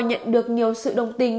nhận được nhiều sự đồng tình